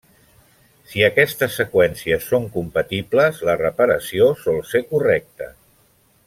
Si aquestes seqüències són compatibles, la reparació sol ser correcta.